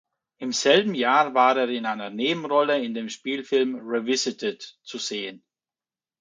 Im selben Jahr war er in einer Nebenrolle in dem Spielfilm "Revisited" zu sehen.